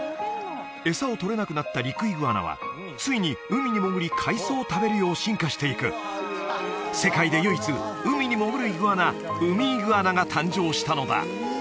餌をとれなくなったリクイグアナはついに海に潜り海藻を食べるよう進化していく世界で唯一海に潜るイグアナウミイグアナが誕生したのだ